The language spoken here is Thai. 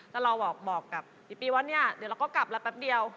แล้วเราบอกกับพี่ปีว่าเนี่ยเดี๋ยวเราก็กลับแล้วแป๊บเดียว